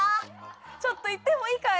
ちょっと言ってもいいかい？